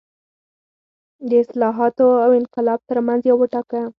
د اصلاحاتو او انقلاب ترمنځ یو وټاکه.